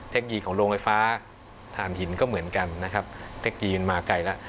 เทคโนโลยีของโรงไฟฟ้าฐานหินก็เหมือนกันนะครับเทคโนโลยีมันมาไกลแล้ว